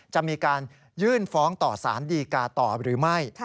จะมีการยื่นฟ้องต่อสารดีกาต่อหรือไม่